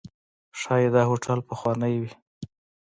ښایي دا هوټل پخوانی دی.